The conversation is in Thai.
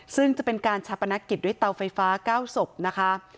ซึ่งจะเป็นการชาปนกิจด้วยเตาไฟฟ้า๙ศพนะคะ